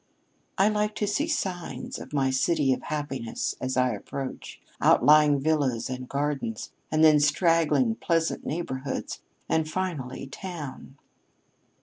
"I like to see signs of my City of Happiness as I approach outlying villas, and gardens, and then straggling, pleasant neighborhoods, and finally Town."